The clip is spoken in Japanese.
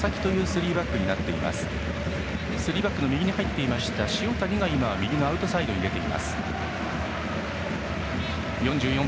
スリーバックの右に入っていた塩谷が今は右のアウトサイドに出ています。